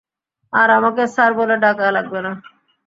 আর আমাকে স্যার বলে ডাকা লাগবে না।